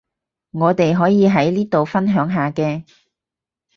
我哋可以喺呢度分享下嘅